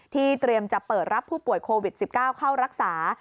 เตรียมจะเปิดรับผู้ป่วยโควิด๑๙เข้ารักษา